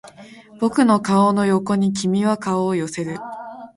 僕の顔の横に君は顔を寄せる